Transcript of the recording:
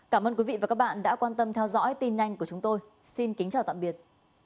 cảm ơn các bạn đã quan tâm theo dõi tin nhanh của chúng tôi xin kính chào tạm biệt